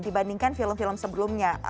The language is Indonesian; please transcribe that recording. dibandingkan film film sebelumnya